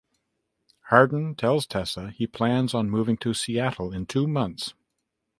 Hardin tells Tessa he plans on moving to Seattle in two months.